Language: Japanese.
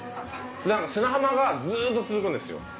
なんか砂浜がずーっと続くんですよ。